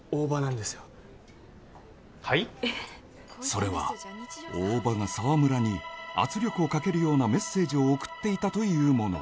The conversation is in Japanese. それは大庭が沢村に圧力をかけるようなメッセージを送っていたというもの